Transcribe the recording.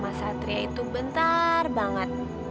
mas satria itu bentar banget